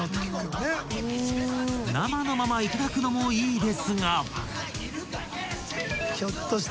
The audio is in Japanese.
［生のまま頂くのもいいですが］